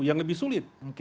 yang lebih sulit